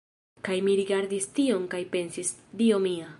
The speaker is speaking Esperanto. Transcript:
Kaj mi rigardis tion kaj pensis, "Dio mia!"